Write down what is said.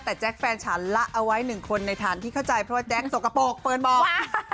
แต่แจ๊คแฟนฉันละเอาไว้หนึ่งคนในฐานที่เข้าใจเพราะว่าแจ๊คสกปรกเฟิร์นบอก